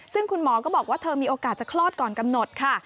ซึ่งคุณหมอก็บอกว่าเธอมีโอกาสจะคลอดก่อนกำหนดค่ะ